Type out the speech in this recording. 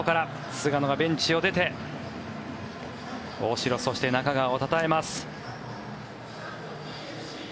菅野がベンチを出て大城、そして中川をたたえます。